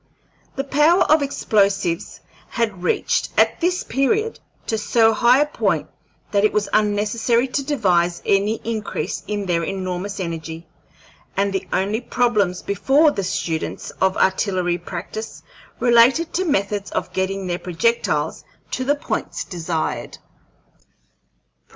The power of explosives had reached, at this period, to so high a point that it was unnecessary to devise any increase in their enormous energy, and the only problems before the students of artillery practice related to methods of getting their projectiles to the points desired.